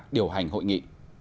điều hành hội nghị